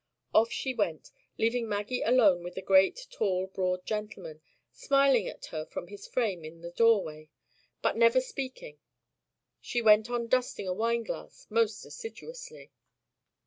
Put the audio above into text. Off she went, leaving Maggie alone with the great, tall, broad gentleman, smiling at her from his frame in the door way, but never speaking. She went on dusting a wine glass most assiduously.